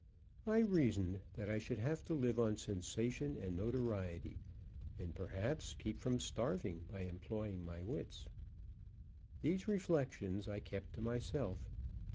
I reasoned that I should have to live on sensation and notoriety, and, perhaps, keep from starving by employing my wits. These reflections I kept to myself.